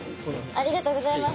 ありがとうございます。